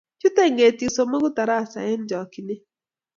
Chutei ng'etik somoku tarasa eng' chokchinet.